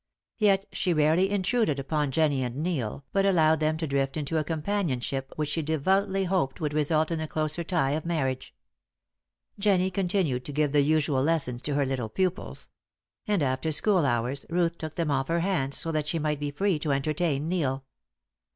Yet she rarely intruded upon Jennie and Neil, but allowed them to drift into a companionship which she devoutly hoped would result in the closer tie of marriage. Jennie continued to give the usual lessons to her little pupils; and after school hours Ruth took them off her hands, so that she might be free to entertain Neil.